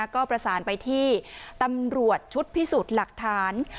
ก็ประสานไปที่ตำรวจชุดพิสูจน์หลักฐาน